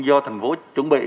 do thành phố chuẩn bị